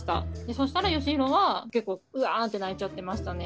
そしたらよしひろは結構うわんって泣いちゃってましたね。